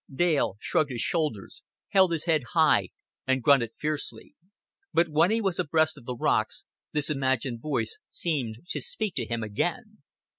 Dale shrugged his shoulders, held his head high, and grunted fiercely. But when he was abreast of the rocks, this imagined voice seemed to speak to him again.